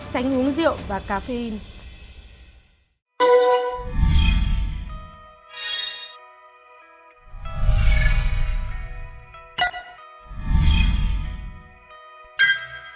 tránh uống rượu và caffeine